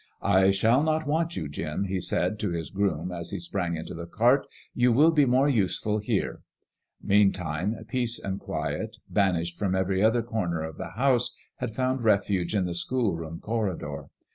" I shall not want you, Jim," he said to his groom, as he sprang into the cart. " You will be more useful here." Meantime, peace and quiet, banished from every other cor ner of the house, had found refuge in the schoolroom cor ridor.